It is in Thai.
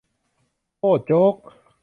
โอ้ โจ๊ก !